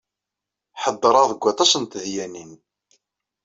Ḥeddṛeɣ deg waṭas n tedyanin.